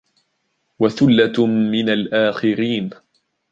وَثُلَّةٌ مِّنَ الآخِرِينَ